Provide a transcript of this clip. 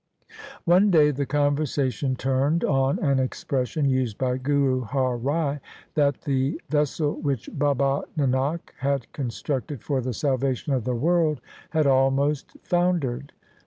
One day the conversation turned on an expression used by Guru Har Rai, that the vessel which Baba Nanak had constructed for the salvation of the world had almost foundered.